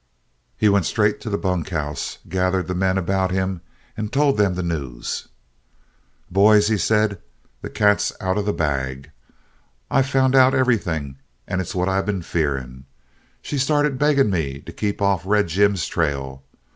He went straight to the bunkhouse, gathered the men about him, and told them the news. "Boys," he said, "the cat's out of the bag. I've found out everything, and it's what I been fearing. She started begging me to keep off Red Jim's trail.